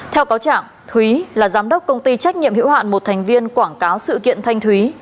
theo cáo trạng thúy là giám đốc công ty trách nhiệm hữu hạn một thành viên quảng cáo sự kiện thanh thúy